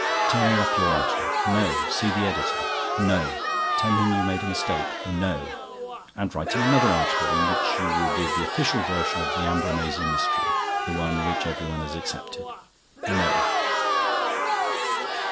"Tear up your article." "No." "See the editor." "No." "Tell him you made a mistake." "No." "And write him another article, in which you will give the official version of the Ambrumésy mystery, the one which every one has accepted." "No."